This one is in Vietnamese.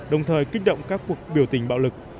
đồng thời kích động các cuộc biểu tình bạo lực